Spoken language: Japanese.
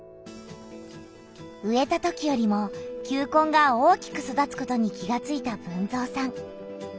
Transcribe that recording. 植えたときよりも球根が大きく育つことに気がついた豊造さん。